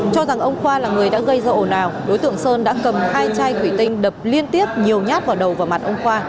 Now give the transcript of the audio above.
cho rằng ông khoa là người đã gây ra ồn ào đối tượng sơn đã cầm hai chai thủy tinh đập liên tiếp nhiều nhát vào đầu và mặt ông khoa